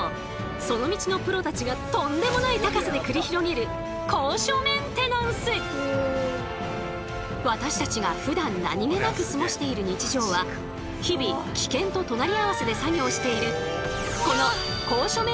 その道のプロたちがとんでもない高さで繰り広げる私たちがふだん何気なく過ごしている日常は日々危険と隣り合わせで作業している